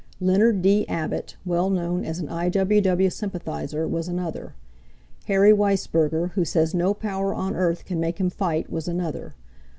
Leonard D. Abbott, well known as an I. W. W. sympathizer, was another. Harry Weissberger, who says no power on earth can make him fight, was another.